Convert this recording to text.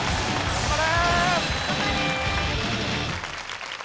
・頑張れ！